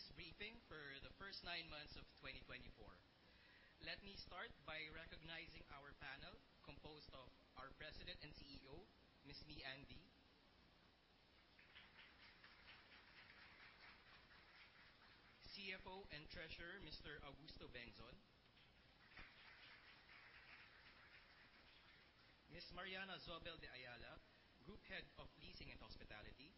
Welcome to Ayala Land's analyst briefing for the first nine months of 2024. Let me start by recognizing our panel composed of our President and CEO, Leandro. CFO and Treasurer, Mr. Augusto Bengzon. Ms. Mariana Zobel de Ayala, Group Head of Leasing and Hospitality.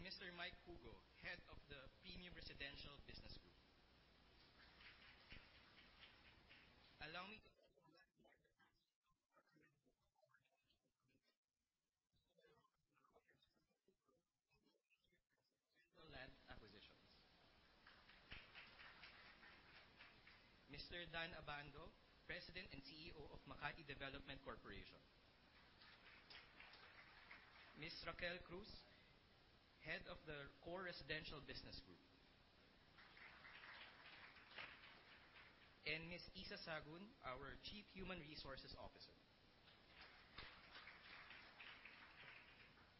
Mr. Mike Jugo, Head of the Premium Residential Business Group. Mr. Dan Abando, President and CEO of Makati Development Corporation. Ms. Raquel Cruz, Head of the Core Residential Business Group. Ms. Issa Sagun, our Chief Human Resources Officer.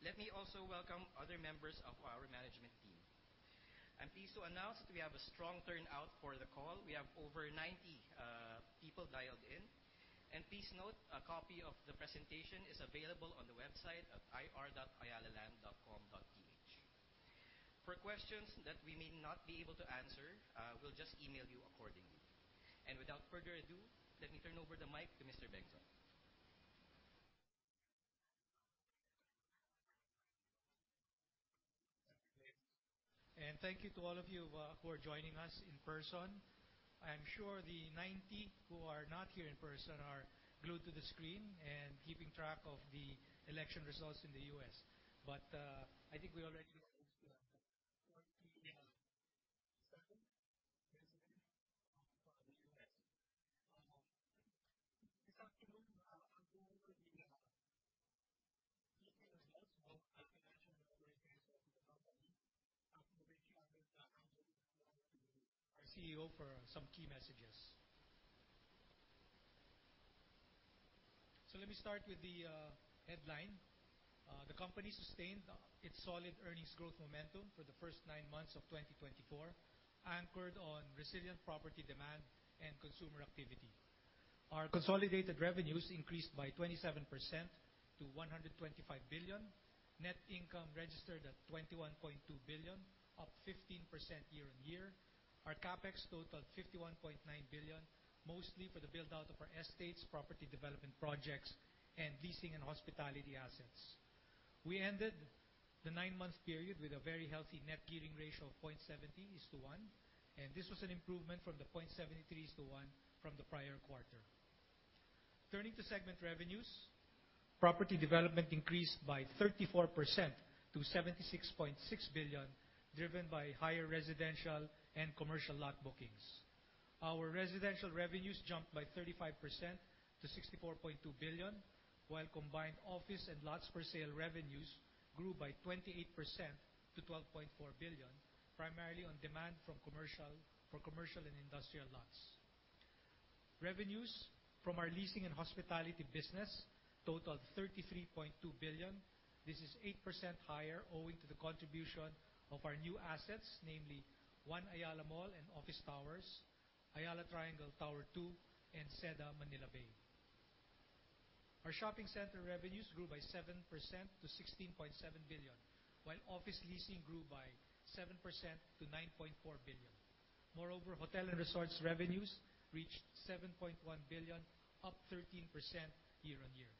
Let me also welcome other members of our management team. I'm pleased to announce that we have a strong turnout for the call. We have over 90 people dialed in. Please note a copy of the presentation is available on the website at ir.ayalaland.com.ph. For questions that we may not be able to answer, we'll just email you accordingly. Without further ado, let me turn over the mic to Mr. Bengzon. Thank you to all of you who are joining us in person. I'm sure the 90 who are not here in person are glued to the screen and keeping track of the election results in the U.S. I think we already our CEO for some key messages. Let me start with the headline. The company sustained its solid earnings growth momentum for the first nine months of 2024, anchored on resilient property demand and consumer activity. Our consolidated revenues increased by 27% to PHP 125 billion. Net income registered at PHP 21.2 billion, up 15% year-on-year. Our CapEx totaled PHP 51.9 billion, mostly for the build-out of our estates, property development projects, and leasing and hospitality assets. We ended the nine-month period with a very healthy net gearing ratio of 0.70 is to one, and this was an improvement from the 0.73 is to one from the prior quarter. Turning to segment revenues, property development increased by 34% to 76.6 billion, driven by higher residential and commercial lot bookings. Our residential revenues jumped by 35% to 64.2 billion, while combined office and lots for sale revenues grew by 28% to 12.4 billion, primarily on demand for commercial and industrial lots. Revenues from our leasing and hospitality business totaled 33.2 billion. This is 8% higher, owing to the contribution of our new assets, namely One Ayala Mall and Office Towers, Ayala Triangle Tower 2, and Seda Manila Bay. Our shopping center revenues grew by 7% to 16.7 billion, while office leasing grew by 7% to 9.4 billion. Moreover, hotel and resorts revenues reached 7.1 billion, up 13% year-on-year.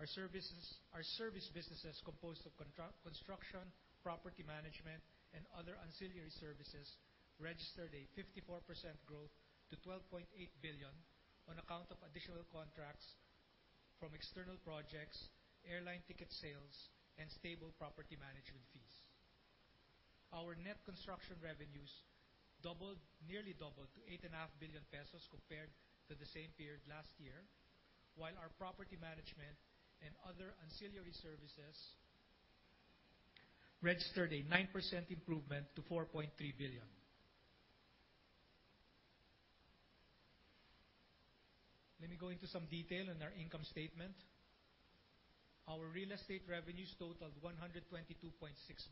Our service business is composed of construction, property management, and other ancillary services registered a 54% growth to 12.8 billion on account of additional contracts from external projects, airline ticket sales, and stable property management fees. Our net construction revenues nearly doubled to 8.5 billion pesos compared to the same period last year, while our property management and other ancillary services registered a 9% improvement to 4.3 billion. Let me go into some detail on our income statement. Our real estate revenues totaled 122.6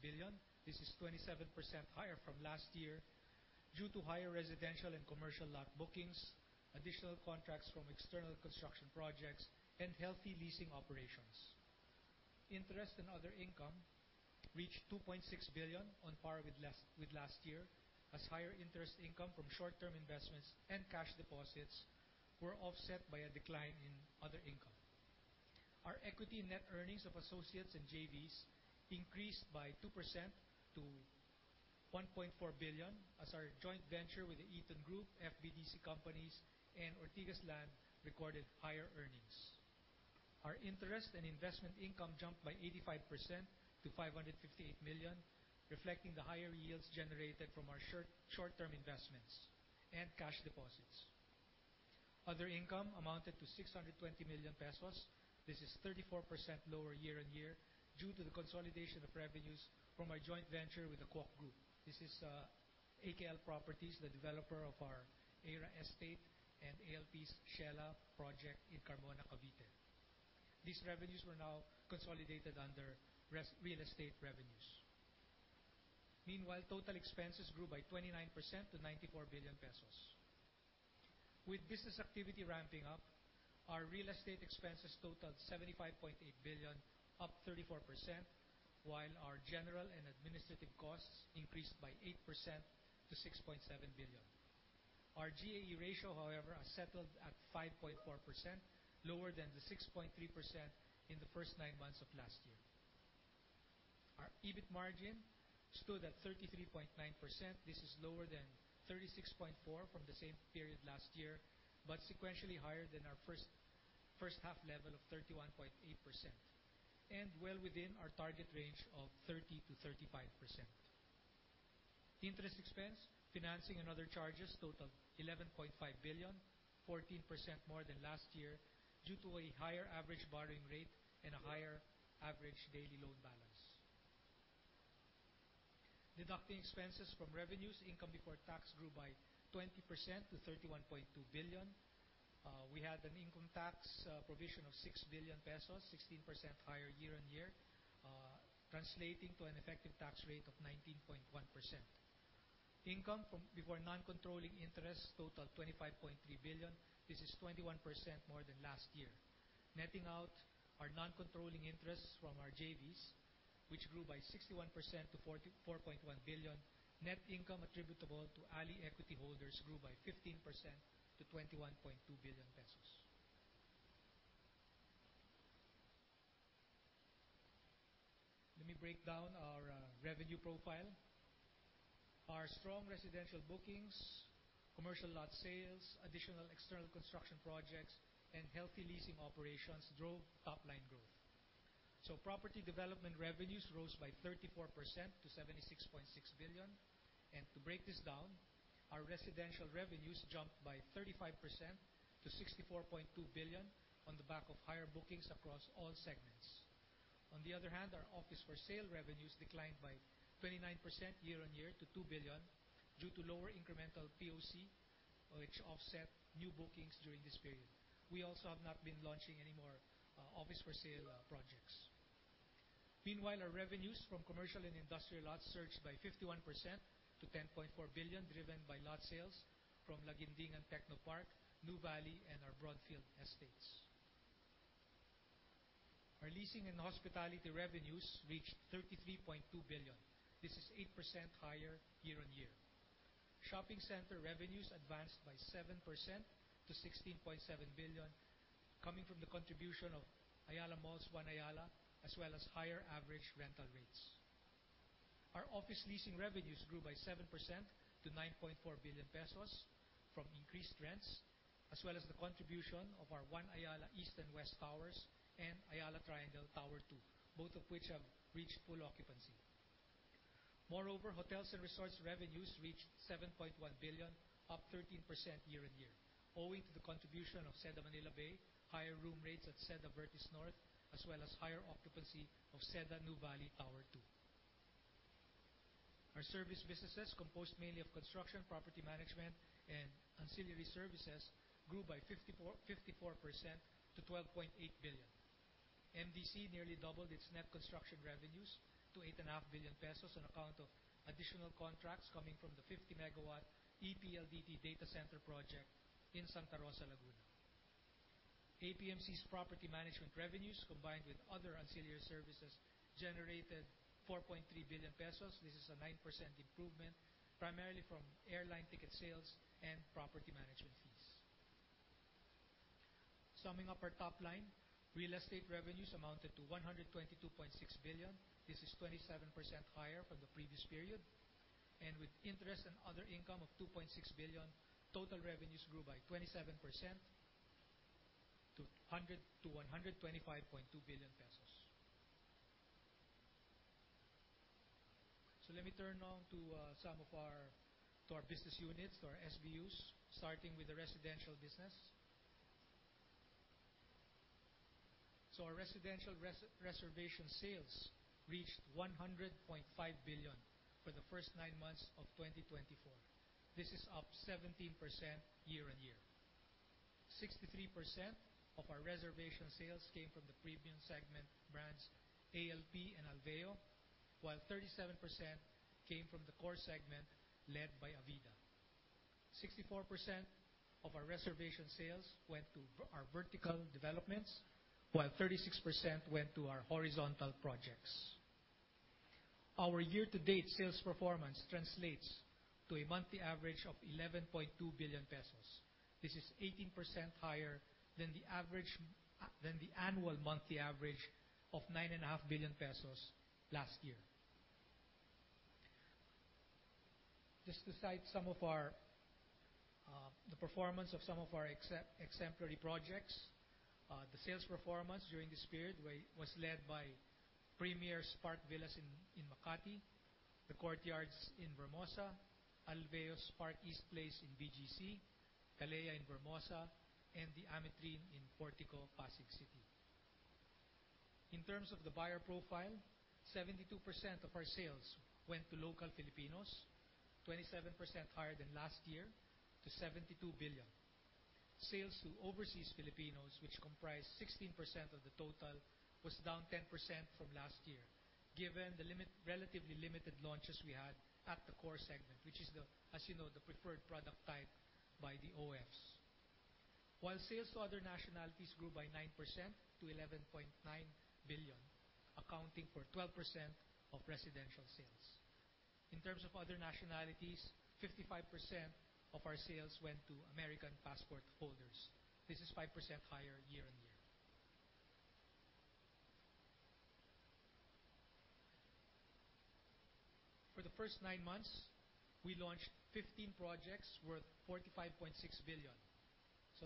billion. This is 27% higher from last year due to higher residential and commercial lot bookings, additional contracts from external construction projects, and healthy leasing operations. Interest and other income reached 2.6 billion on par with last year as higher interest income from short-term investments and cash deposits were offset by a decline in other income. Our equity net earnings of associates and JVs increased by 2% to 1.4 billion as our joint venture with the Eton Group, FBTC companies, and Ortigas Land recorded higher earnings. Our interest and investment income jumped by 85% to 558 million, reflecting the higher yields generated from our short-term investments and cash deposits. Other income amounted to 620 million pesos. This is 34% lower year on year due to the consolidation of revenues from our joint venture with the Kuok Group. This is AKL Properties, the developer of our Aera Estate and ALP's Ciela project in Carmona, Cavite. These revenues were now consolidated under real estate revenues. Total expenses grew by 29% to 94 billion pesos. With business activity ramping up, our real estate expenses totaled 75.8 billion, up 34%, while our general and administrative costs increased by 8% to 6.7 billion. Our GAE ratio, however, has settled at 5.4%, lower than the 6.3% in the first nine months of last year. Our EBIT margin stood at 33.9%. This is lower than 36.4% from the same period last year, but sequentially higher than our first half level of 31.8%, and well within our target range of 30%-35%. Interest expense, financing, and other charges totaled 11.5 billion, 14% more than last year, due to a higher average borrowing rate and a higher average daily loan balance. Deducting expenses from revenues, income before tax grew by 20% to 31.2 billion. We had an income tax provision of 6 billion pesos, 16% higher year on year, translating to an effective tax rate of 19.1%. Income before non-controlling interests totaled 25.3 billion. This is 21% more than last year. Netting out our non-controlling interests from our JVs, which grew by 61% to 4.1 billion, net income attributable to ALI equity holders grew by 15% to 21.2 billion pesos. Let me break down our revenue profile. Our strong residential bookings, commercial lot sales, additional external construction projects, and healthy leasing operations drove top-line growth. Property development revenues rose by 34% to 76.6 billion. To break this down, our residential revenues jumped by 35% to 64.2 billion on the back of higher bookings across all segments. On the other hand, our office for sale revenues declined by 29% year on year to 2 billion due to lower incremental POC, which offset new bookings during this period. We also have not been launching any more office for sale projects. Meanwhile, our revenues from commercial and industrial lots surged by 51% to 10.4 billion, driven by lot sales from Laguindingan Technopark, Nuvali, and our Broadfield estates. Our leasing and hospitality revenues reached 33.2 billion. This is 8% higher year-on-year. Shopping center revenues advanced by 7% to 16.7 billion, coming from the contribution of Ayala Malls One Ayala, as well as higher average rental rates. Our office leasing revenues grew by 7% to 9.4 billion pesos from increased rents, as well as the contribution of our One Ayala East and West Towers and Ayala Triangle Tower 2, both of which have reached full occupancy. Moreover, hotels and resorts revenues reached 7.1 billion, up 13% year-on-year, owing to the contribution of Seda Manila Bay, higher room rates at Seda Vertis North, as well as higher occupancy of Seda Nuvali Tower 2. Our service businesses, composed mainly of construction, property management, and ancillary services, grew by 54% to 12.8 billion. MDC nearly doubled its net construction revenues to 8.5 billion pesos on account of additional contracts coming from the 50-megawatt ePLDT Data Center project in Santa Rosa, Laguna. APMC's property management revenues, combined with other ancillary services, generated 4.3 billion pesos. This is a 9% improvement, primarily from airline ticket sales and property management fees. Summing up our top line, real estate revenues amounted to 122.6 billion. This is 27% higher from the previous period. With interest and other income of 2.6 billion, total revenues grew by 27% to 125.2 billion pesos. Let me turn now to some of our business units, our SBUs, starting with the residential business. Our residential reservation sales reached 100.5 billion for the first nine months of 2024. This is up 17% year-on-year. 63% of our reservation sales came from the premium segment brands ALP and Alveo, while 37% came from the core segment led by Avida. 64% of our reservation sales went to our vertical developments, while 36% went to our horizontal projects. Our year-to-date sales performance translates to a monthly average of 11.2 billion pesos. This is 18% higher than the annual monthly average of 9.5 billion pesos last year. Just to cite the performance of some of our exemplary projects, the sales performance during this period was led by Premier's Park Villas in Makati, The Courtyards in Vermosa, Alveo's Park East Place in BGC, Caleia in Vermosa, and The Ametrine in Portico, Pasig City. In terms of the buyer profile, 72% of our sales went to local Filipinos, 27% higher than last year to 72 billion. Sales to overseas Filipinos, which comprise 16% of the total, was down 10% from last year, given the relatively limited launches we had at the core segment, which is, as you know, the preferred product type by the OFs. While sales to other nationalities grew by 9% to 11.9 billion, accounting for 12% of residential sales. In terms of other nationalities, 55% of our sales went to American passport holders. This is 5% higher year-on-year. For the first nine months, we launched 15 projects worth 45.6 billion.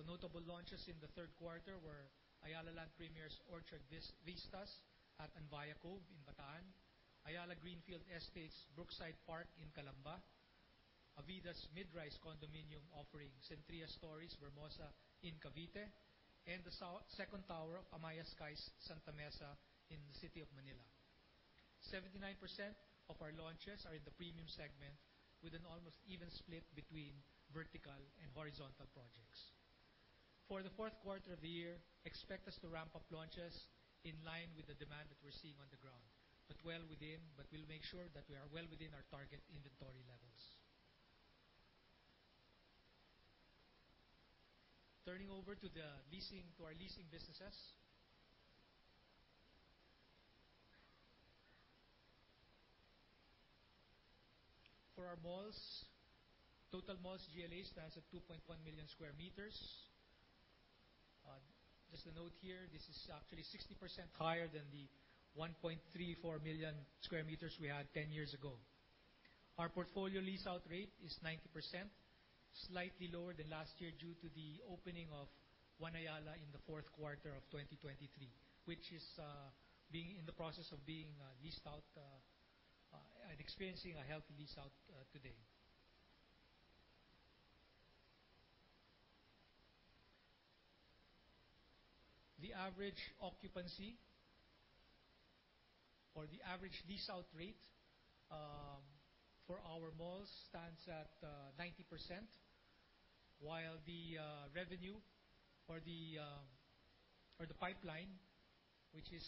Notable launches in the third quarter were Ayala Land Premier's Orchard Vistas at Anvaya Cove in Bataan, Ayala Greenfield Estates' Brookside Park in Calamba, Avida's mid-rise condominium offering Sentria Storeys Vermosa in Cavite, and the second tower of Amaia Skies Sta. Mesa in the City of Manila. 79% of our launches are in the premium segment, with an almost even split between vertical and horizontal projects. We'll make sure that we are well within our target inventory levels. Turning over to our leasing businesses. For our malls, total malls GLA stands at 2.1 million sq m. Just a note here, this is actually 60% higher than the 1.34 million sq m we had 10 years ago. Our portfolio lease out rate is 90%, slightly lower than last year due to the opening of One Ayala in the fourth quarter of 2023, which is in the process of being leased out, and experiencing a healthy lease out today. The average occupancy or the average lease out rate for our malls stands at 90%, while the revenue for the pipeline, which is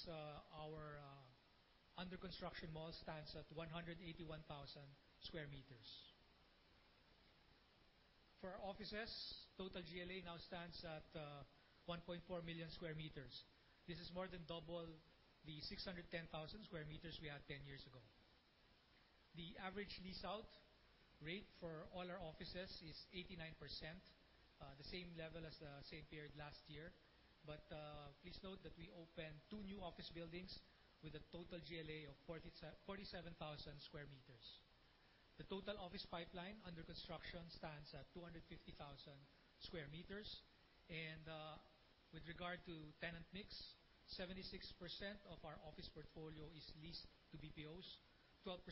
our under-construction mall, stands at 181,000 sq m. For our offices, total GLA now stands at 1.4 million sq m. This is more than double the 610,000 sq m we had 10 years ago. The average lease out rate for all our offices is 89%, the same level as the same period last year. Please note that we opened two new office buildings with a total GLA of 47,000 sq m. The total office pipeline under construction stands at 250,000 sq m. With regard to tenant mix, 76% of our office portfolio is leased to BPOs, 12%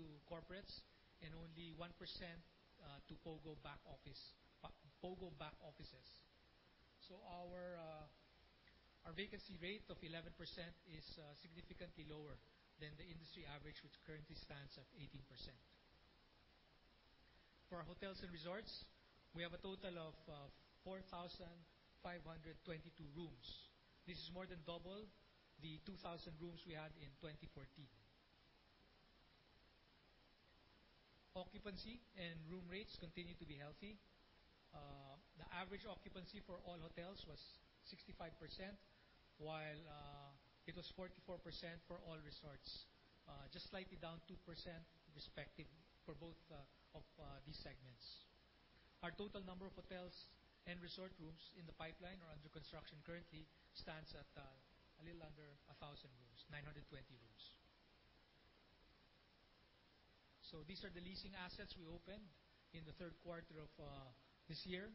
to corporates, and only 1% to POGO back-offices. Our vacancy rate of 11% is significantly lower than the industry average, which currently stands at 18%. For our hotels and resorts, we have a total of 4,522 rooms. This is more than double the 2,000 rooms we had in 2014. Occupancy and room rates continue to be healthy. The average occupancy for all hotels was 65%, while it was 44% for all resorts. Just slightly down 2% respectively for both of these segments. Our total number of hotels and resort rooms in the pipeline or under construction currently stands at a little under 1,000 rooms, 920 rooms. These are the leasing assets we opened in the third quarter of this year,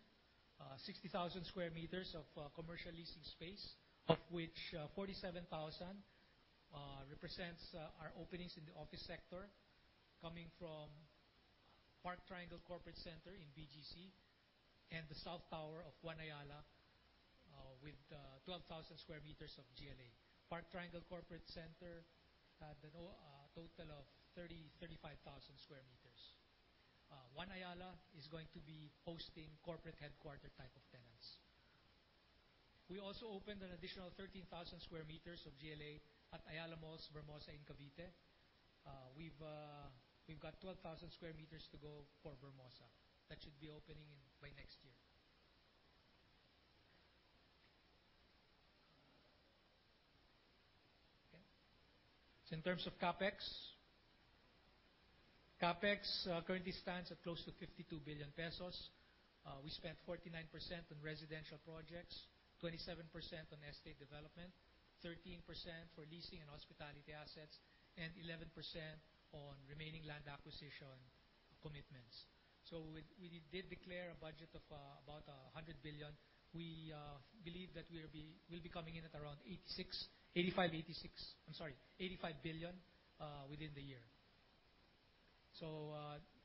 60,000 sq m of commercial leasing space, of which 47,000 represents our openings in the office sector coming from Park Triangle Corporate Center in BGC and the South Tower of One Ayala with 12,000 sq m of GLA. Park Triangle Corporate Center had a total of 35,000 sq m. One Ayala is going to be hosting corporate headquarter type of tenants. We also opened an additional 13,000 sq m of GLA at Ayala Malls Vermosa in Cavite. We've got 12,000 sq m to go for Vermosa. That should be opening by next year. In terms of CapEx currently stands at close to 52 billion pesos. We spent 49% on residential projects, 27% on estate development, 13% for leasing and hospitality assets, and 11% on remaining land acquisition commitments. We did declare a budget of about 100 billion. We believe that we'll be coming in at around 85 billion within the year.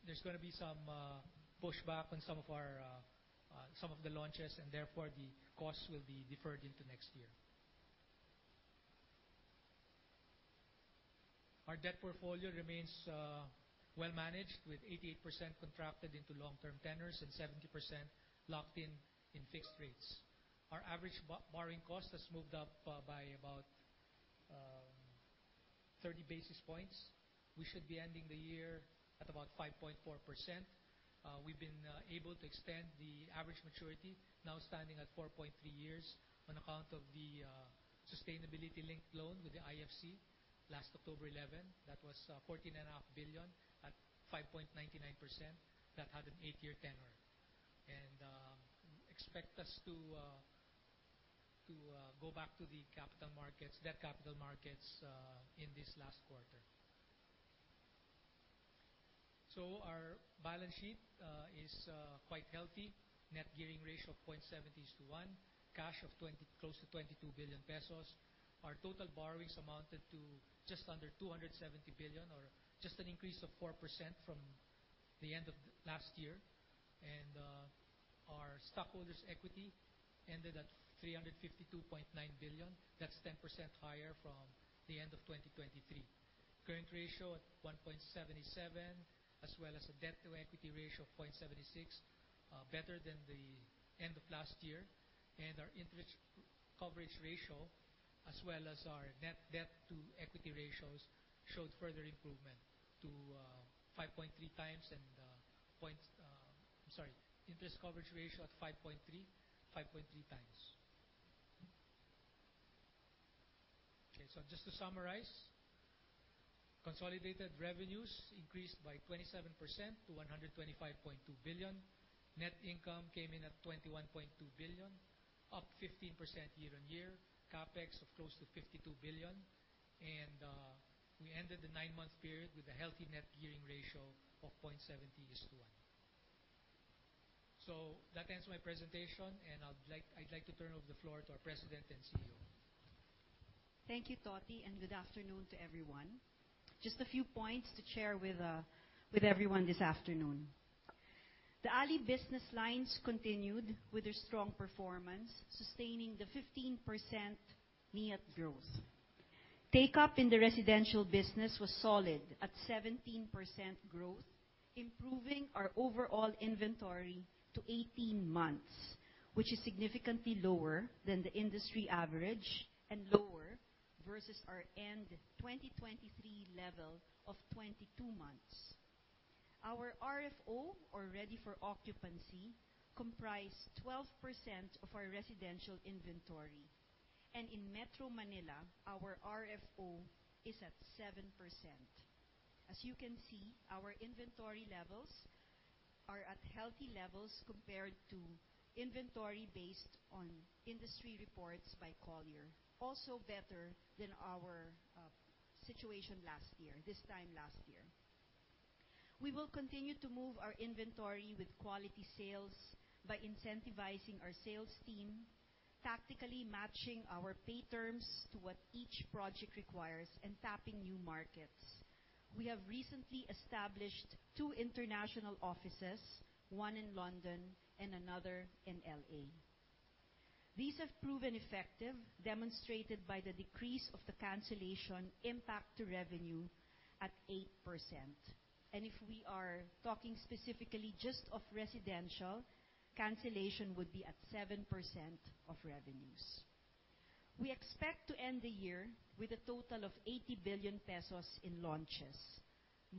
There's going to be some pushback on some of the launches, and therefore, the costs will be deferred into next year. Our debt portfolio remains well managed, with 88% contracted into long-term tenors and 70% locked in in fixed rates. Our average borrowing cost has moved up by about 30 basis points. We should be ending the year at about 5.4%. We've been able to extend the average maturity, now standing at 4.3 years on account of the sustainability-linked loan with the IFC last October 11. That was 14.5 billion at 5.99% that had an eight-year tenor. Expect us to go back to the debt capital markets in this last quarter. Our balance sheet is quite healthy. Net gearing ratio of 0.70:1. Cash of close to 22 billion pesos. Our total borrowings amounted to just under 270 billion or just an increase of 4% from the end of last year. Our stockholders' equity ended at 352.9 billion. That's 10% higher from the end of 2023. Current ratio at 1.77, as well as a debt-to-equity ratio of 0.76, better than the end of last year. Our interest coverage ratio as well as our net debt-to-equity ratios showed further improvement to 5.3 times. Interest coverage ratio at 5.3 times. Just to summarize, consolidated revenues increased by 27% to 125.2 billion. Net income came in at 21.2 billion, up 15% year-on-year. CapEx of close to 52 billion. We ended the nine-month period with a healthy net gearing ratio of 0.70:1. That ends my presentation, and I'd like to turn over the floor to our President and CEO. Thank you, Toti, and good afternoon to everyone. Just a few points to share with everyone this afternoon. The ALI business lines continued with their strong performance, sustaining the 15% NIAT growth. Take-up in the residential business was solid at 17% growth, improving our overall inventory to 18 months, which is significantly lower than the industry average and lower versus our end 2023 level of 22 months. Our RFO, or Ready For Occupancy, comprised 12% of our residential inventory. In Metro Manila, our RFO is at 7%. As you can see, our inventory levels are at healthy levels compared to inventory based on industry reports by Colliers, also better than our situation this time last year. We will continue to move our inventory with quality sales by incentivizing our sales team, tactically matching our pay terms to what each project requires, and tapping new markets. We have recently established two international offices, one in London and another in L.A. These have proven effective, demonstrated by the decrease of the cancellation impact to revenue at 8%. If we are talking specifically just of residential, cancellation would be at 7% of revenues. We expect to end the year with a total of 80 billion pesos in launches,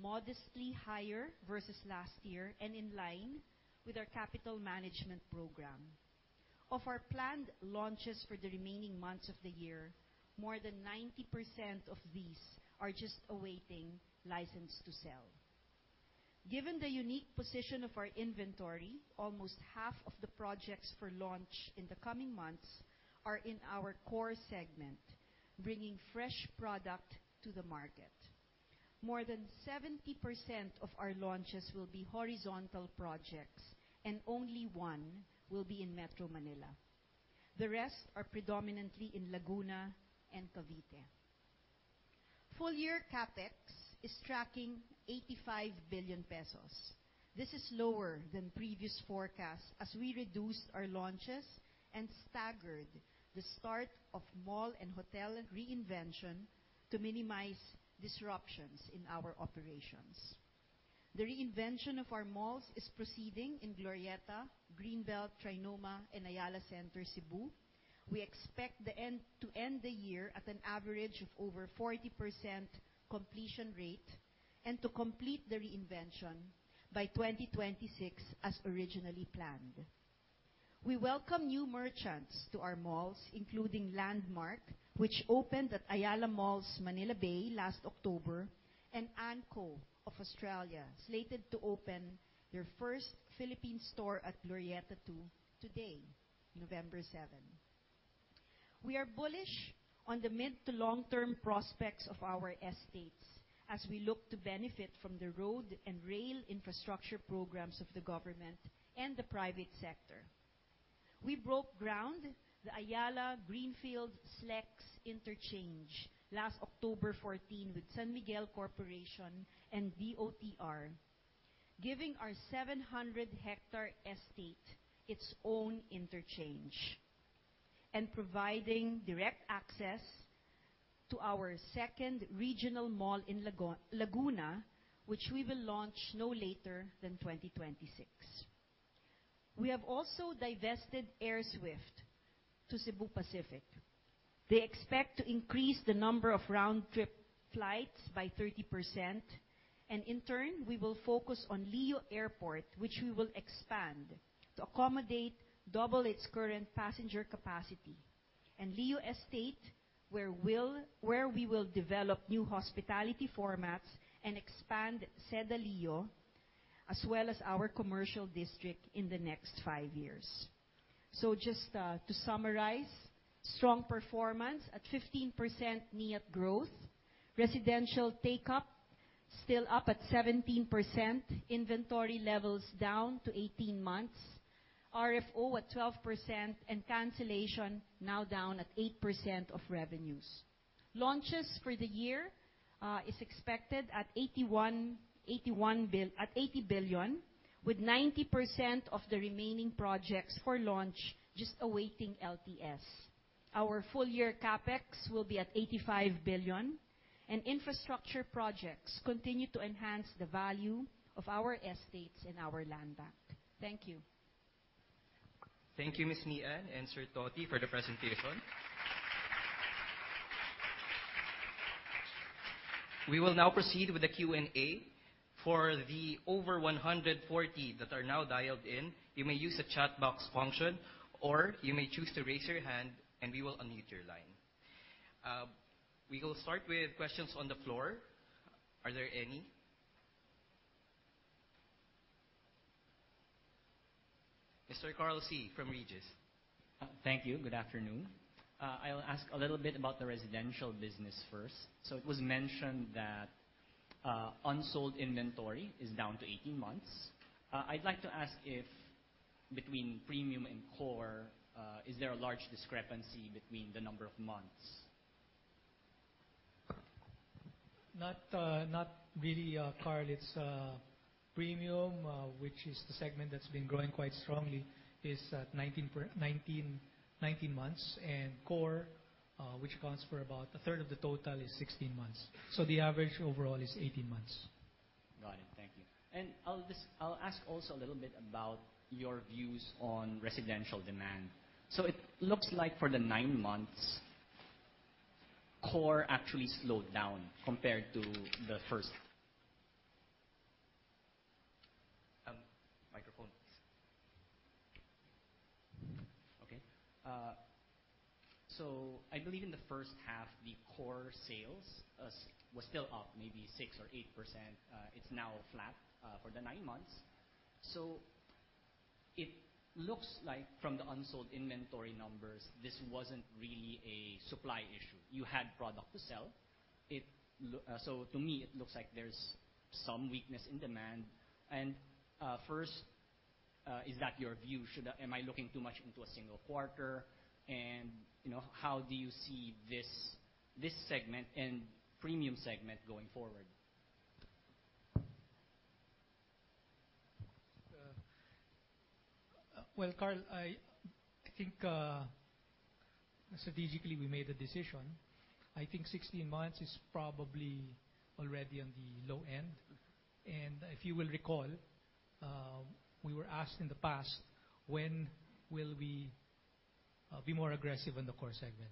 modestly higher versus last year and in line with our capital management program. Of our planned launches for the remaining months of the year, more than 90% of these are just awaiting license to sell. Given the unique position of our inventory, almost half of the projects for launch in the coming months are in our core segment, bringing fresh product to the market. More than 70% of our launches will be horizontal projects, and only one will be in Metro Manila. The rest are predominantly in Laguna and Cavite. Full-year CapEx is tracking 85 billion pesos. This is lower than previous forecasts as we reduced our launches and staggered the start of mall and hotel reinvention to minimize disruptions in our operations. The reinvention of our malls is proceeding in Glorietta, Greenbelt, Trinoma, and Ayala Center Cebu. We expect to end the year at an average of over 40% completion rate and to complete the reinvention by 2026, as originally planned. We welcome new merchants to our malls, including Landmark, which opened at Ayala Malls Manila Bay last October, and Anko of Australia, slated to open their first Philippine store at Glorietta 2 today, November 7. We are bullish on the mid to long-term prospects of our estates as we look to benefit from the road and rail infrastructure programs of the government and the private sector. We broke ground the Ayala Greenfield SLEX Interchange last October 14 with San Miguel Corporation and DOTr, giving our 700-hectare estate its own interchange and providing direct access to our second regional mall in Laguna, which we will launch no later than 2026. We have also divested AirSWIFT to Cebu Pacific. They expect to increase the number of round-trip flights by 30%, and in turn, we will focus on Lio Airport, which we will expand to accommodate double its current passenger capacity. Lio Estate, where we will develop new hospitality formats and expand Seda Lio, as well as our commercial district in the next five years. Just to summarize, strong performance at 15% NIAT growth, residential take-up still up at 17%, inventory levels down to 18 months, RFO at 12% and cancellation now down at 8% of revenues. Launches for the year is expected at 80 billion with 90% of the remaining projects for launch just awaiting LTS. Our full-year CapEx will be at 85 billion. Infrastructure projects continue to enhance the value of our estates and our land bank. Thank you. Thank you, Ms. Nian and Sir Toti, for the presentation. We will now proceed with the Q&A. For the over 140 that are now dialed in, you may use the chat box function, or you may choose to raise your hand and we will unmute your line. We will start with questions on the floor. Are there any? Mr. Carl Sy from Regis Partners. Thank you. Good afternoon. I'll ask a little bit about the residential business first. It was mentioned that unsold inventory is down to 18 months. I'd like to ask if between Premium and Core, is there a large discrepancy between the number of months? Not really, Carl. It's a Premium, which is the segment that's been growing quite strongly is at 19 months, and Core, which accounts for about a third of the total, is 16 months. The average overall is 18 months. Got it. Thank you. I'll ask also a little bit about your views on residential demand. It looks like for the nine months, Core actually slowed down compared to the first. Microphone. Okay. I believe in the first half, the Core sales was still up maybe 6% or 8%. It's now flat for the nine months. It looks like from the unsold inventory numbers, this wasn't really a supply issue. You had product to sell. To me, it looks like there's some weakness in demand. First, is that your view? Am I looking too much into a single quarter? And how do you see this segment and Premium segment going forward? Well, Carl, I think strategically we made a decision. I think 16 months is probably already on the low end. If you will recall, we were asked in the past when will we be more aggressive in the Core segment.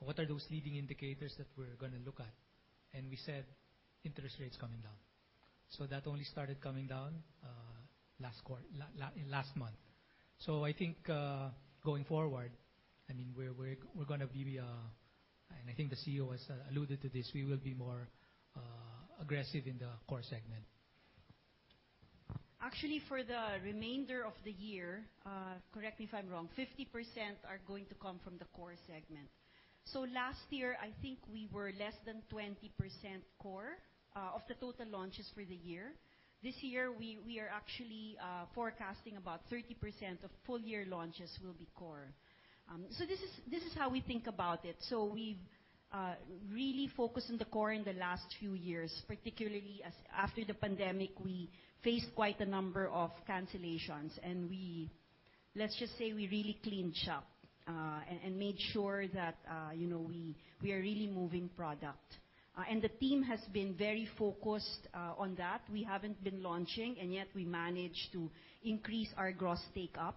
What are those leading indicators that we're going to look at? We said interest rates coming down. That only started coming down last month. I think going forward, we're going to be, and I think the CEO has alluded to this, we will be more aggressive in the Core segment. Actually, for the remainder of the year, correct me if I'm wrong, 50% are going to come from the core segment. Last year, I think we were less than 20% core of the total launches for the year. This year, we are actually forecasting about 30% of full-year launches will be core. This is how we think about it. We've really focused on the core in the last few years, particularly after the pandemic, we faced quite a number of cancellations, and let's just say we really cleaned shop and made sure that we are really moving product. The team has been very focused on that. We haven't been launching, and yet we managed to increase our gross take-up.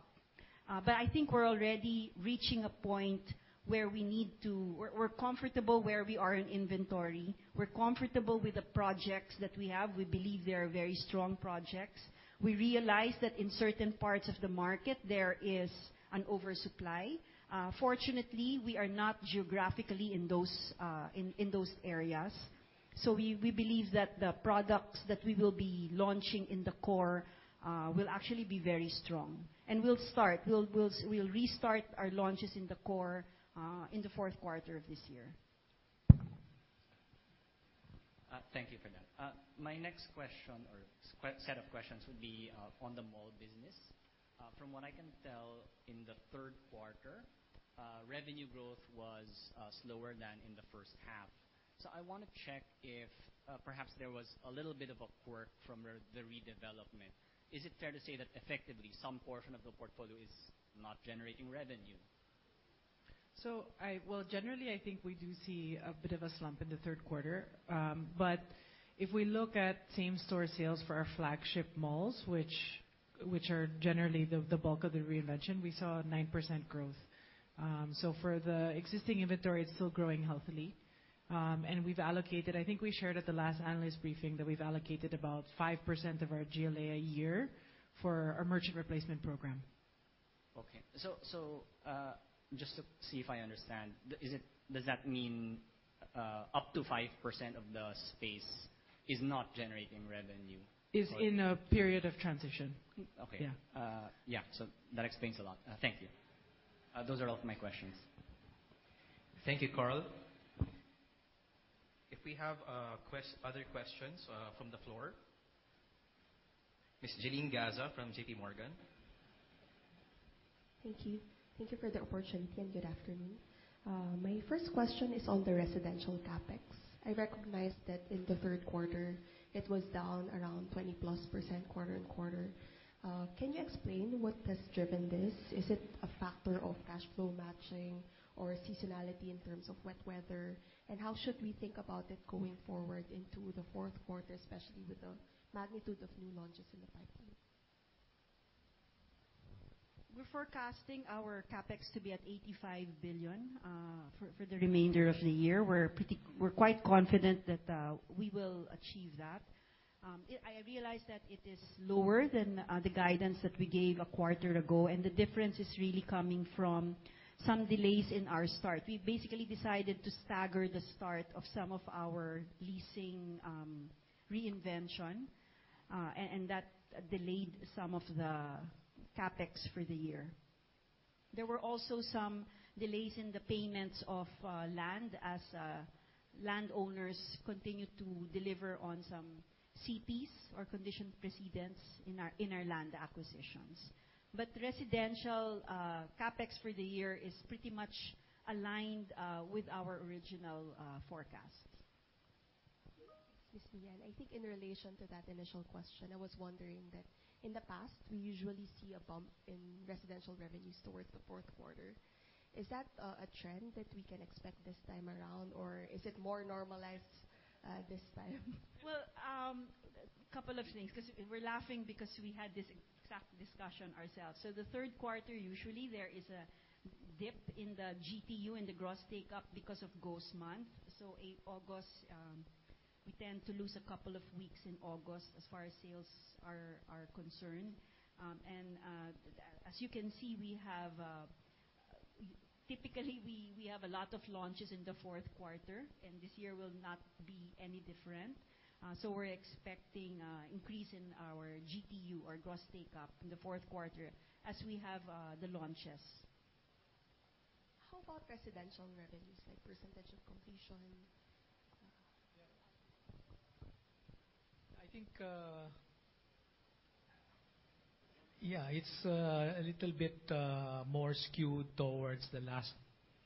I think we're already reaching a point where we're comfortable where we are in inventory. We're comfortable with the projects that we have. We believe they are very strong projects. We realize that in certain parts of the market, there is an oversupply. Fortunately, we are not geographically in those areas. We believe that the products that we will be launching in the core will actually be very strong. We'll restart our launches in the core in the fourth quarter of this year. Thank you for that. My next question or set of questions would be on the mall business. From what I can tell in the third quarter, revenue growth was slower than in the first half. I want to check if perhaps there was a little bit of a quirk from the redevelopment. Is it fair to say that effectively some portion of the portfolio is not generating revenue? Well, generally, I think we do see a bit of a slump in the third quarter. If we look at same-store sales for our flagship malls, which are generally the bulk of the reinvention, we saw 9% growth. For the existing inventory, it's still growing healthily. I think we shared at the last analyst briefing that we've allocated about 5% of our GLA a year for our merchant replacement program. Okay. Just to see if I understand. Does that mean up to 5% of the space is not generating revenue? Is in a period of transition. Okay. Yeah. Yeah. That explains a lot. Thank you. Those are all of my questions. Thank you, Carl. If we have other questions from the floor. Ms. Jaline Gaza from JP Morgan. Thank you. Thank you for the opportunity. Good afternoon. My first question is on the residential CapEx. I recognize that in the third quarter it was down around 20+% quarter-on-quarter. Can you explain what has driven this? Is it a factor of cash flow matching or seasonality in terms of wet weather? How should we think about it going forward into the fourth quarter, especially with the magnitude of new launches in the pipeline? We're forecasting our CapEx to be at 85 billion for the remainder of the year. We're quite confident that we will achieve that. I realize that it is lower than the guidance that we gave a quarter ago, the difference is really coming from some delays in our start. We've basically decided to stagger the start of some of our leasing reinvention, that delayed some of the CapEx for the year. There were also some delays in the payments of land as landowners continued to deliver on some CPs, or condition precedents, in our land acquisitions. Residential CapEx for the year is pretty much aligned with our original forecasts. Excuse me. I think in relation to that initial question, I was wondering that in the past we usually see a bump in residential revenues towards the fourth quarter. Is that a trend that we can expect this time around or is it more normalized this time? Well, couple of things because we're laughing because we had this exact discussion ourselves. The third quarter usually there is a dip in the GTU and the gross take-up because of Ghost Month. August we tend to lose a couple of weeks in August as far as sales are concerned. As you can see, typically we have a lot of launches in the fourth quarter and this year will not be any different. We're expecting increase in our GTU or gross take-up in the fourth quarter as we have the launches. How about residential revenues like percentage of completion? I think it's a little bit more skewed towards the last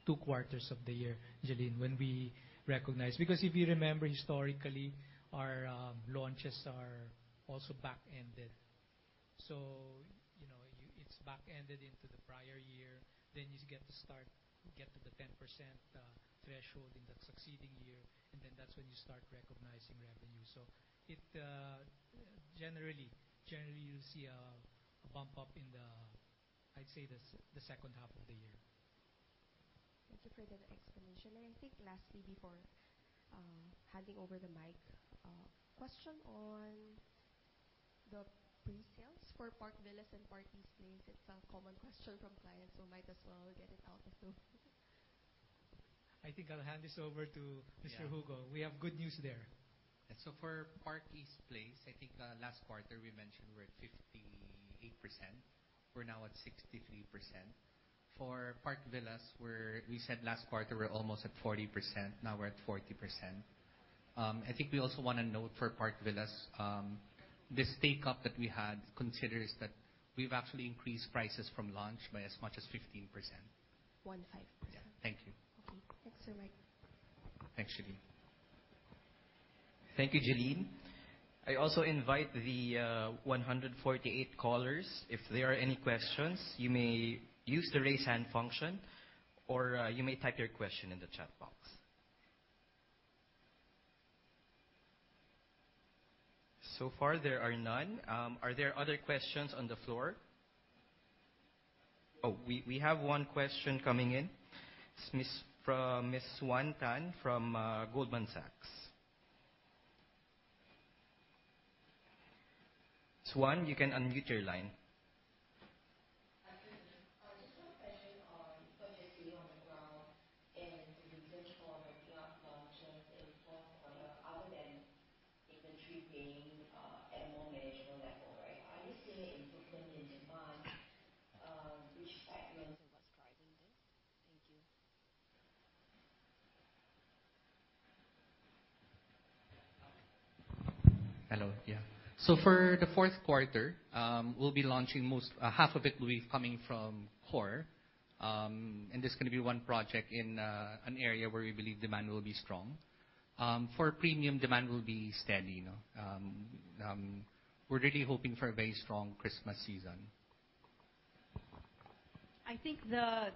two quarters of the year, Jaline, when we recognize. If you remember historically our launches are also back-ended. It's back-ended into the prior year then you get to the 10% threshold in that succeeding year, and then that's when you start recognizing revenue. Generally you'll see a bump up in the, I'd say the second half of the year. Thank you for that explanation. I think lastly before handing over the mic, question on the pre-sales for Park Villas and Park East Place. It's a common question from clients so might as well get it out of the way. I think I'll hand this over to Mr. Jugo. We have good news there. For Park East Place I think last quarter we mentioned we're at 58%, we're now at 63%. For Park Villas we said last quarter we're almost at 40%, now we're at 40%. I think we also want to note for Park Villas this take-up that we had considers that we've actually increased prices from launch by as much as 15%. 15%. Yeah. Thank you. Okay. Thanks, Sir Mike. Thanks, Jaline. Thank you, Jaline. I also invite the 148 callers if there are any questions you may use the Raise Hand function or you may type your question in the chat box. Far there are none. We have one question coming in from Ms. Swan Tan from Goldman Sachs. Swan, you can unmute your line. Thank you. Just one question on what you're seeing on the ground and the research for regular launches in fourth quarter other than inventory being at a more manageable level. Are you seeing improvement in demand? Which segments? Hello. Yeah. For the fourth quarter, half of it will be coming from Core. There's going to be one project in an area where we believe demand will be strong. For Premium, demand will be steady. We're really hoping for a very strong Christmas season. I think the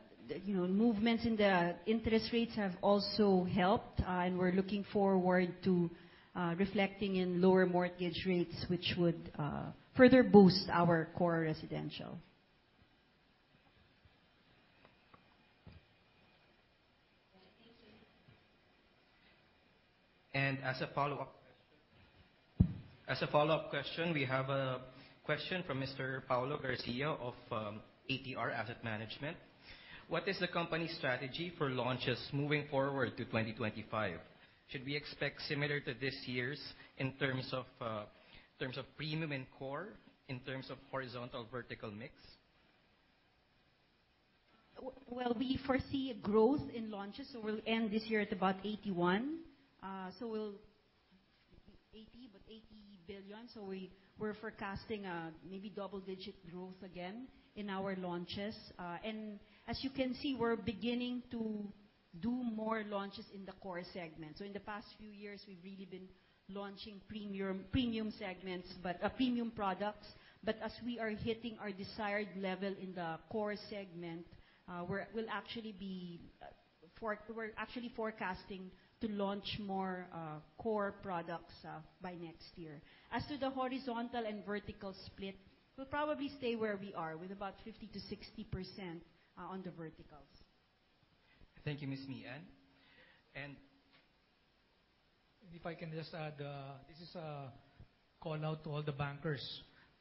movements in the interest rates have also helped, we're looking forward to reflecting in lower mortgage rates, which would further boost our core residential. Thank you. As a follow-up question, we have a question from Mr. Paolo Garcia of ATR Asset Management. What is the company strategy for launches moving forward to 2025? Should we expect similar to this year's in terms of premium and core, in terms of horizontal vertical mix? We foresee a growth in launches, we'll end this year at about 81. We'll be 80, 80 billion. We're forecasting maybe double-digit growth again in our launches. As you can see, we're beginning to do more launches in the core segment. In the past few years, we've really been launching premium products. As we are hitting our desired level in the core segment, we're actually forecasting to launch more core products by next year. As to the horizontal and vertical split, we'll probably stay where we are with about 50%-60% on the verticals. Thank you, Ms. Mian. If I can just add, this is a call out to all the bankers.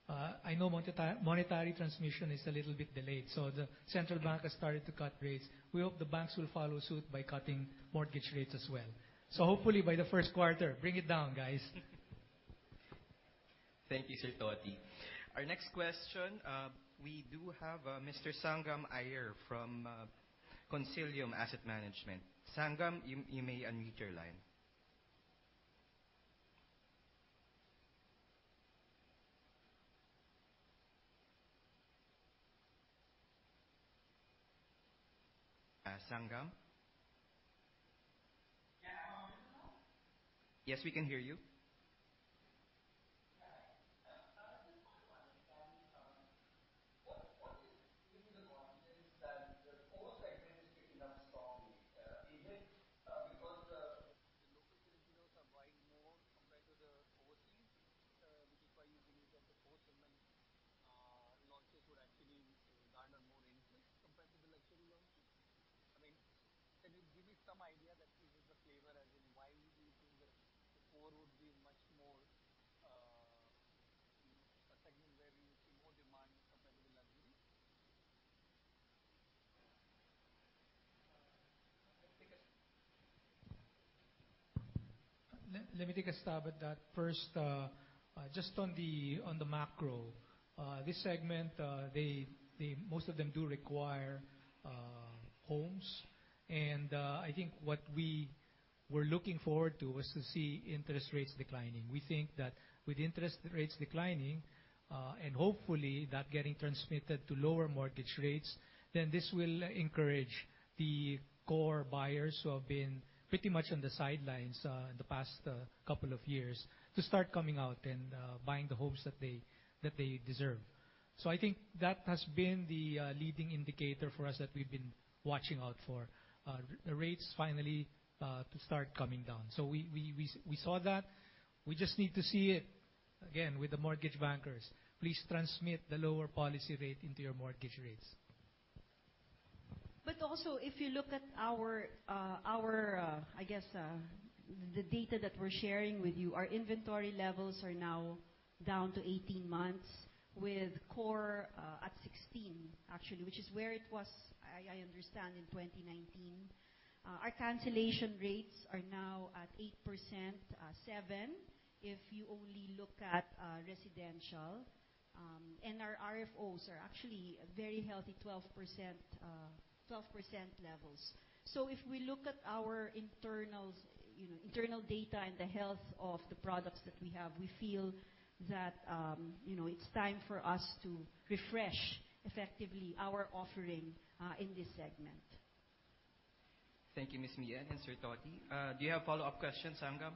I know monetary transmission is a little bit delayed. The central bank has started to cut rates. We hope the banks will follow suit by cutting mortgage rates as well. Hopefully by the first quarter, bring it down, guys. Thank you, Sir Toti. Our next question, we do have Mr. Sangam Ayer from Consilium Asset Management. Sangam, you may unmute your line. Sangam? Yeah. Hello. Yes, we can hear you. Yeah. I just want to understand, what is giving you the confidence that the core segment is picking up strongly? Is it because the local Filipinos are buying more compared to the overseas, which is why you believe that the core segment launches would actually garner more interest compared to the luxury launches? Can you give me some idea that gives us a flavor as in why you think that the core would be a segment where we would see more demand compared to the luxury? Let me take a stab at that first. Just on the macro. This segment, most of them do require homes. I think what we were looking forward to was to see interest rates declining. We think that with interest rates declining, and hopefully that getting transmitted to lower mortgage rates, this will encourage the core buyers who have been pretty much on the sidelines in the past couple of years to start coming out and buying the homes that they deserve. I think that has been the leading indicator for us that we've been watching out for rates finally to start coming down. We saw that. We just need to see it again with the mortgage bankers. Please transmit the lower policy rate into your mortgage rates. Also, if you look at the data that we're sharing with you, our inventory levels are now down to 18 months with core at 16, actually, which is where it was, I understand, in 2019. Our cancellation rates are now at 8%, 7, if you only look at residential. Our RFOs are actually a very healthy 12% levels. If we look at our internal data and the health of the products that we have, we feel that it's time for us to refresh effectively our offering in this segment. Thank you, Ms. Mian and Sir Toti. Do you have follow-up questions, Sangam?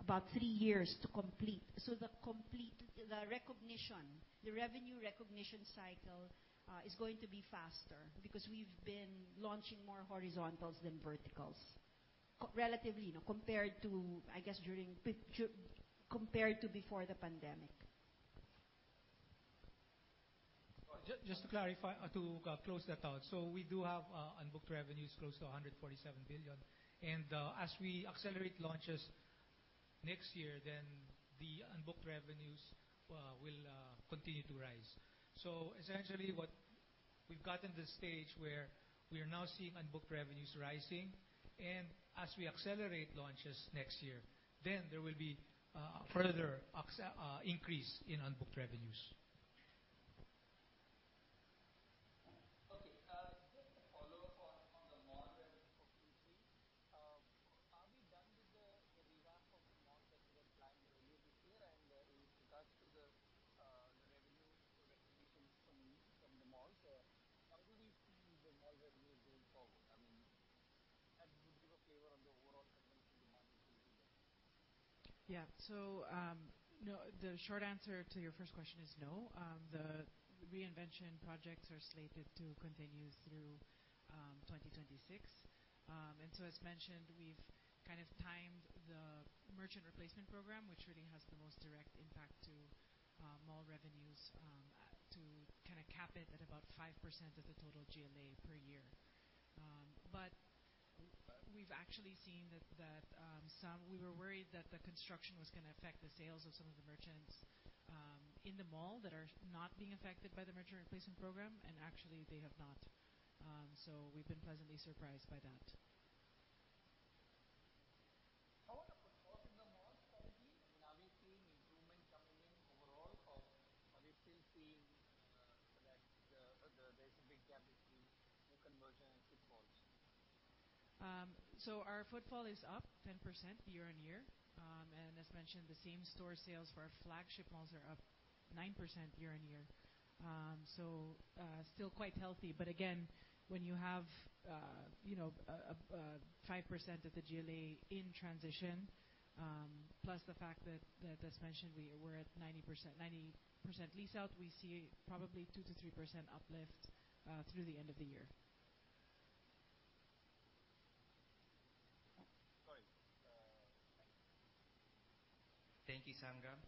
about 3 years to complete. The revenue recognition cycle is going to be faster because we've been launching more horizontals than verticals. Relatively, compared to before the pandemic. Just to clarify or to close that out. We do have unbooked revenues close to 147 billion. As we accelerate launches next year, the unbooked revenues will continue to rise. Essentially, we've gotten to the stage where we are now seeing unbooked revenues rising, and as we accelerate launches next year, then there will be a further increase in unbooked revenues. Okay. Just a follow-up on the mall revenue for BGC. Are we done with the revamp of the mall that you were planning earlier this year? In regards to the revenue recognitions from the mall, how do you see the mall revenue going forward? Can you give us a flavor of the overall conversion demand that you're seeing there? Yeah. The short answer to your first question is no. The reinvention projects are slated to continue through 2026. As mentioned, we've timed the merchant replacement program, which really has the most direct impact to mall revenues to cap it at about 5% of the total GLA per year. We were worried that the construction was going to affect the sales of some of the merchants in the mall that are not being affected by the merchant replacement program, and actually, they have not. We've been pleasantly surprised by that. How are the malls, Dorothy? Are we seeing improvement coming in overall, or are you still seeing that there's a big gap between new conversion and footfalls? Our footfall is up 10% year-on-year. As mentioned, the same store sales for our flagship malls are up 9% year-on-year. Still quite healthy. Again, when you have 5% of the GLA in transition, plus the fact that as mentioned, we were at 90% lease out, we see probably 2%-3% uplift through the end of the year. Okay. Thank you, Sangam.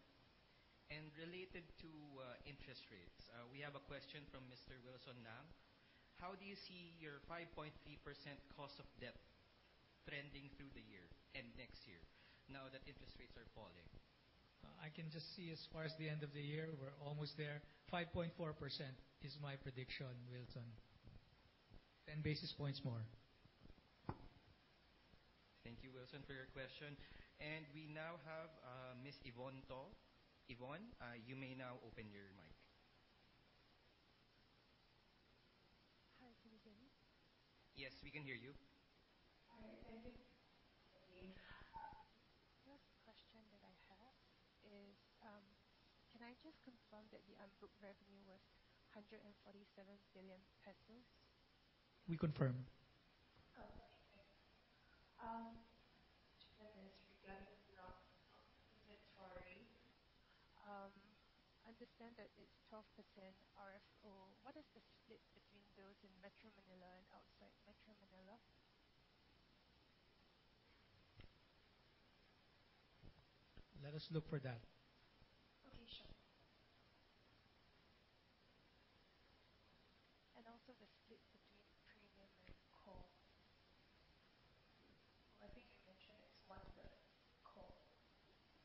Related to interest rates, we have a question from Mr. Wilson Nang. How do you see your 5.3% cost of debt trending through the year and next year now that interest rates are falling? I can just see as far as the end of the year, we're almost there. 5.4% is my prediction, Wilson. 10 basis points more. Thank you, Wilson, for your question. We now have Ms. Yvonne To. Yvonne you may now open your mic. Hi, can you hear me? Yes, we can hear you. All right. The first question that I have is can I just confirm that the unbooked revenue was 147 billion pesos? We confirm. Okay, thank you. Regarding the unsold inventory. I understand that it is 12% RFO. What is the split between those in Metro Manila and outside Metro Manila? Let us look for that.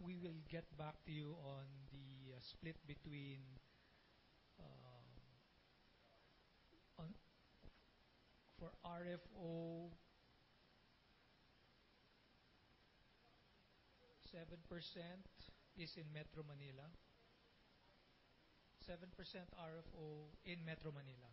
Okay, sure. Also the split between premium and core. I think you mentioned it's one for core. We will get back to you on the split. For RFO, 7% is in Metro Manila. 7% RFO in Metro Manila.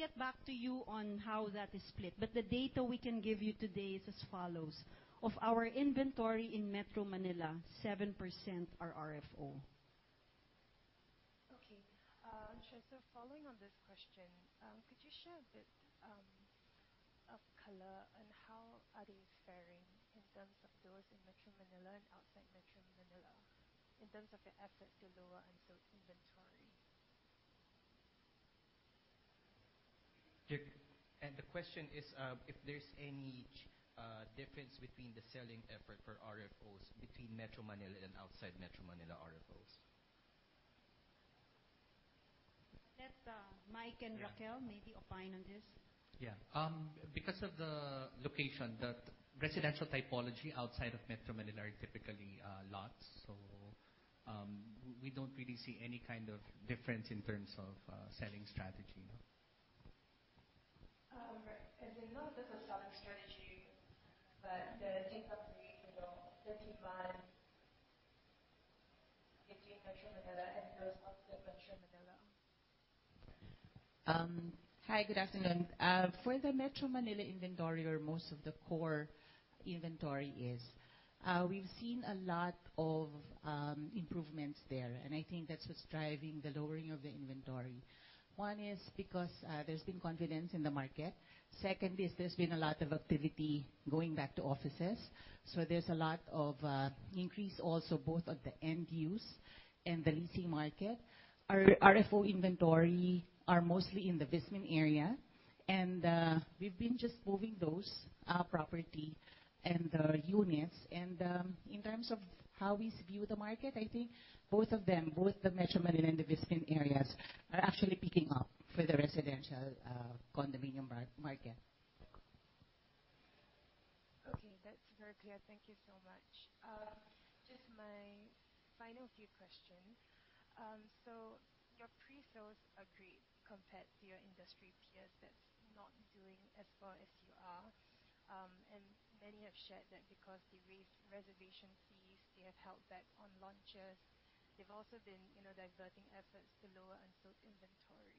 Okay. For the whole unsold inventory, 7% is Metro Manila. We'll get back to you on how that is split, the data we can give you today is as follows. Of our inventory in Metro Manila, 7% are RFO. Okay. I'm sure. Following on this question, could you share a bit of color on how are they faring in terms of those in Metro Manila and outside Metro Manila in terms of the effort to lower unsold inventory? The question is if there's any difference between the selling effort for RFOs between Metro Manila and outside Metro Manila RFOs. Let Mike and Raquel maybe opine on this. Yeah. Because of the location, the residential typology outside of Metro Manila are typically lots. We don't really see any kind of difference in terms of selling strategy. Right. Not just the selling strategy, but the take-up rate in the 13 months between Metro Manila and the rest of Metro Manila. Hi, good afternoon. For the Metro Manila inventory or most of the core inventory, we've seen a lot of improvements there, and I think that's what's driving the lowering of the inventory. One is because there's been confidence in the market. Second is there's been a lot of activity going back to offices. There's a lot of increase also both at the end use and the leasing market. Our RFO inventory are mostly in the VisMin area, and we've been just moving those property and the units. In terms of how we view the market, I think both of them, both the Metro Manila and the VisMin areas, are actually picking up for the residential condominium market. Okay. That's very clear. Thank you so much. Just my final few questions. Your pre-sales are great compared to your industry peers that's not doing as well as you are. Many have shared that because they've raised reservation fees, they have held back on launches. They've also been diverting efforts to lower unsold inventory.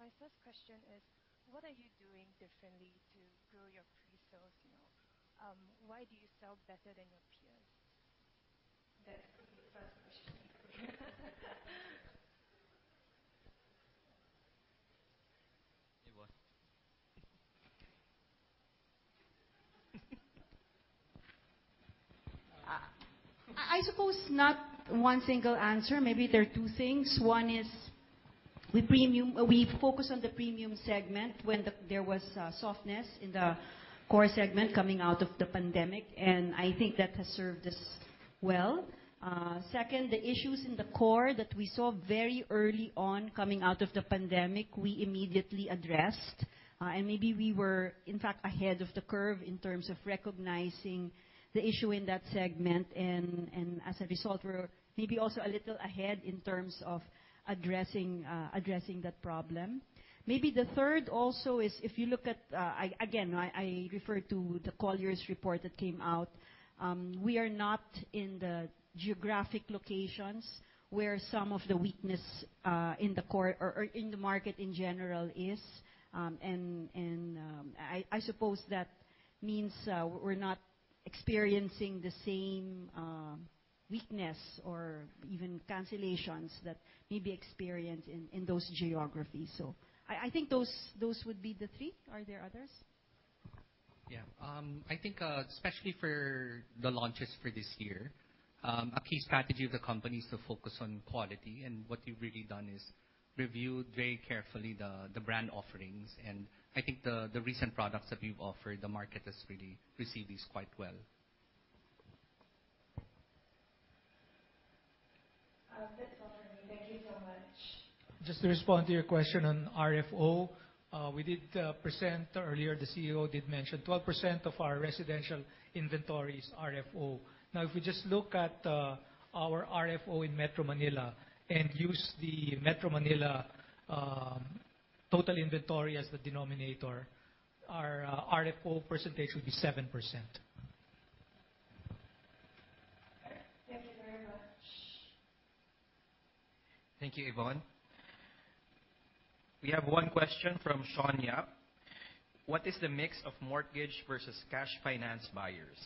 My first question is, what are you doing differently to grow your pre-sales? Why do you sell better than your peers? That could be the first question for you. Yvonne. Okay. I suppose not one single answer. Maybe there are two things. One is we focus on the premium segment when there was softness in the core segment coming out of the pandemic, and I think that has served us well. Second, the issues in the core that we saw very early on coming out of the pandemic, we immediately addressed. Maybe we were, in fact, ahead of the curve in terms of recognizing the issue in that segment. As a result, we're maybe also a little ahead in terms of addressing that problem. Maybe the third also is if you look at. Again, I refer to the Colliers report that came out. We are not in the geographic locations where some of the weakness in the market in general is. I suppose that means we're not experiencing the same weakness or even cancellations that may be experienced in those geographies. I think those would be the three. Are there others? I think especially for the launches for this year, a key strategy of the company is to focus on quality. What we've really done is reviewed very carefully the brand offerings. I think the recent products that we've offered, the market has really received these quite well. That's all from me. Thank you so much. Just to respond to your question on RFO. We did present earlier, the CEO did mention 12% of our residential inventory is RFO. Now, if we just look at our RFO in Metro Manila and use the Metro Manila total inventory as the denominator, our RFO percentage would be 7%. Thank you very much. Thank you, Yvonne. We have one question from Sonia. What is the mix of mortgage versus cash finance buyers?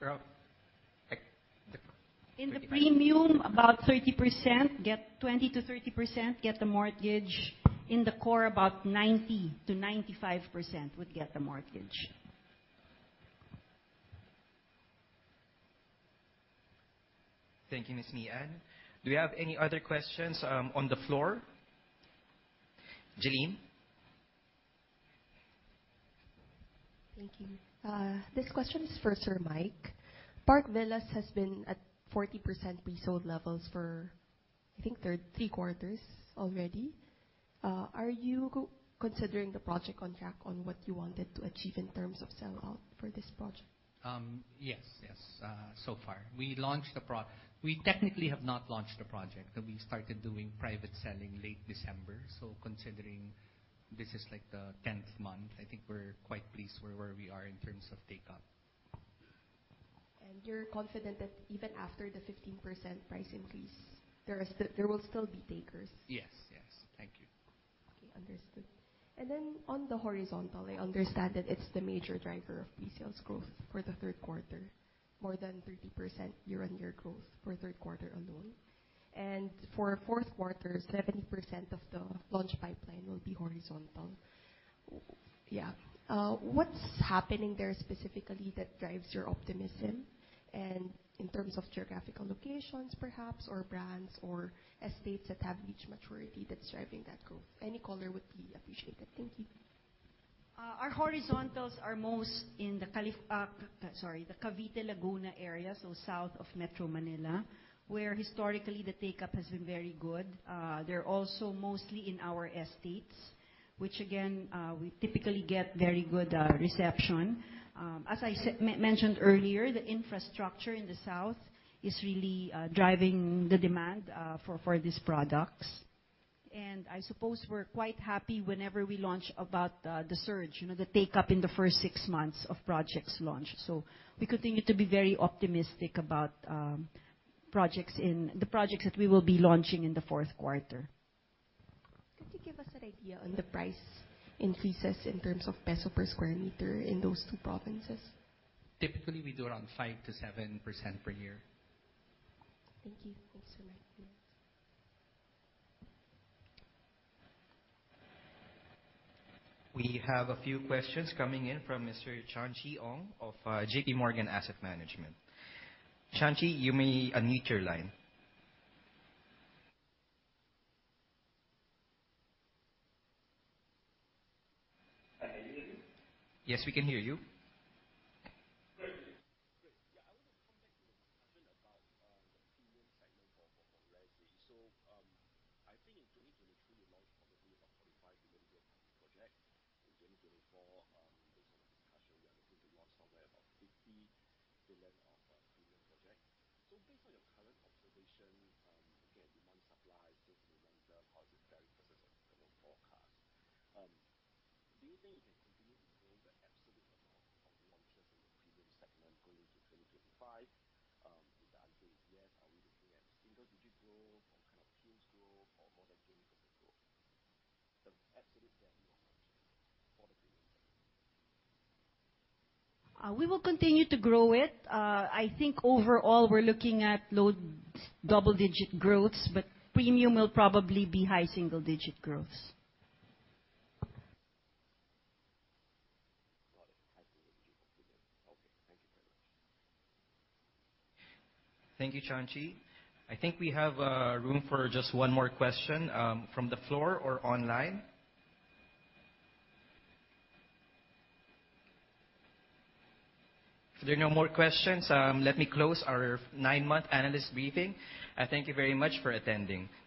Rough. In the premium, about 20%-30% get the mortgage. In the core, about 90%-95% would get the mortgage. Thank you, Ms. Nian. Do we have any other questions on the floor? Jaline? Thank you. This question is for Sir Mike. Park Villas has been at 40% pre-sold levels for, I think, three quarters already. Are you considering the project on track on what you wanted to achieve in terms of sell-out for this project? Yes. Far. We technically have not launched the project. We started doing private selling late December. Considering this is the tenth month, I think we're quite pleased where we are in terms of take-up. You're confident that even after the 15% price increase, there will still be takers? Yes. Thank you. Okay. Understood. On the horizontal, I understand that it's the major driver of pre-sales growth for the third quarter, more than 30% year-on-year growth for third quarter alone. For fourth quarter, 70% of the launch pipeline will be horizontal. What's happening there specifically that drives your optimism? In terms of geographical locations perhaps, or brands, or estates that have reach maturity that's driving that growth. Any color would be appreciated. Thank you. Our horizontals are most in the Cavite, Laguna area, so south of Metro Manila, where historically the take-up has been very good. They're also mostly in our estates which again, we typically get very good reception. As I mentioned earlier, the infrastructure in the south is really driving the demand for these products. I suppose we're quite happy whenever we launch about the surge, the take-up in the first six months of projects launch. We continue to be very optimistic about the projects that we will be launching in the fourth quarter. Could you give us an idea on the price increases in terms of PHP per square meter in those two provinces? Typically, we do around 5%-7% per year. Thank you. Thanks so much. We have a few questions coming in from Mr. Chanchi Ong of J.P. Morgan Asset Management. Chanchi, you may unmute your line. Can you hear me? Yes, we can hear you. If there are no more questions, let me close our nine-month analyst briefing. Thank you very much for attending.